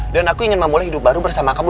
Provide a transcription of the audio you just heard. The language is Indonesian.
dan aku ingin memulai hidup baru bersama kamu